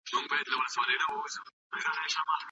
که علم په پښتو وي، نو پوهه د ټولنې په وده کې مرسته کوي.